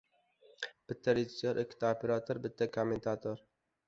Bitta rejissyor, ikkita operator, bitta kommentator.